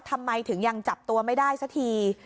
ทำไมถึงยังจับตัวไม่ได้สักที